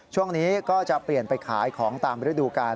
ช่วงนี้ก็จะเปลี่ยนไปขายของตามฤดูกาล